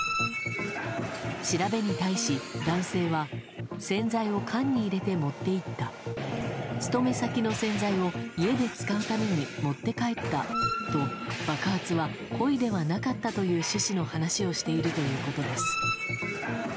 調べに対し、男性は洗剤を缶に入れて持って行った勤め先の洗剤を家で使うために持って帰ったと爆発は故意ではなかったという趣旨の話をしているということです。